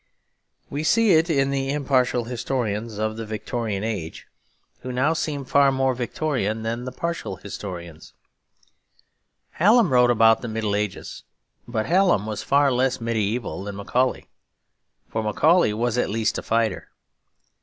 We see it in the impartial historians of the Victorian Age, who now seem far more Victorian than the partial historians. Hallam wrote about the Middle Ages; but Hallam was far less mediaeval than Macaulay; for Macaulay was at least a fighter.